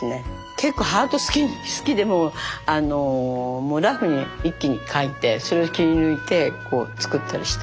結構ハート好きでもうラフに一気に描いてそれを切り抜いてこう作ったりして。